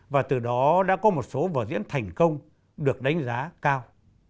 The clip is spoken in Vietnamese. và từ đó đã có một số vở diễn thành công được đánh giá cao